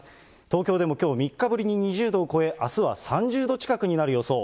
東京でもきょう３日ぶりに２０度を超え、あすは３０度近くになる予想。